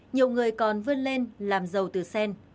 nhiều người còn vươn lên làm giàu từ sen